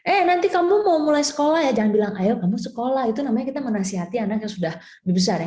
eh nanti kamu mau mulai sekolah ya jangan bilang ayo kamu sekolah itu namanya kita menasihati anak yang sudah lebih besar ya